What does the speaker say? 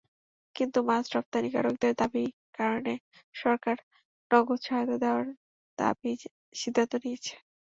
কিন্তু মাছ রপ্তানিকারকদের দাবির কারণে সরকার নগদ সহায়তা দেওয়ার সিদ্ধান্ত নিয়েছে।